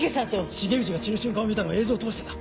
重藤が死ぬ瞬間を見たのは映像を通してだ。